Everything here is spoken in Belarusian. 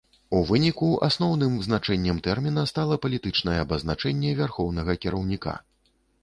У выніку, асноўным значэннем тэрміна стала палітычнае абазначэнне вярхоўнага кіраўніка.